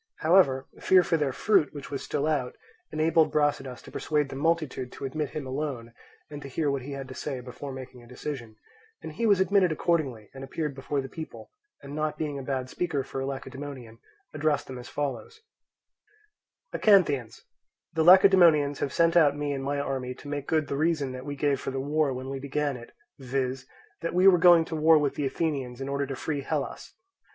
However, fear for their fruit, which was still out, enabled Brasidas to persuade the multitude to admit him alone, and to hear what he had to say before making a decision; and he was admitted accordingly and appeared before the people, and not being a bad speaker for a Lacedaemonian, addressed them as follows: "Acanthians, the Lacedaemonians have sent out me and my army to make good the reason that we gave for the war when we began it, viz., that we were going to war with the Athenians in order to free Hellas.